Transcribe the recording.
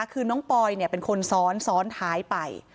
คือน้องปอยเป็นคนซ้อนซ้อนท้ายไป